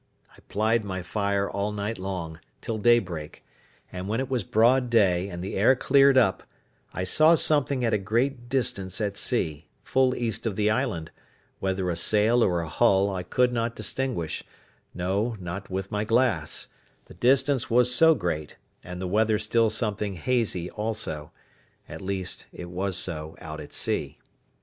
I plied my fire all night long, till daybreak: and when it was broad day, and the air cleared up, I saw something at a great distance at sea, full east of the island, whether a sail or a hull I could not distinguish—no, not with my glass: the distance was so great, and the weather still something hazy also; at least, it was so out at sea.